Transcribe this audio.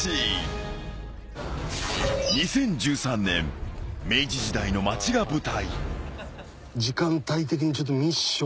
［２０１３年明治時代の街が舞台］